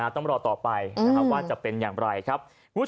ต้องรอต่อไปว่าจะเป็นอย่างไรครับ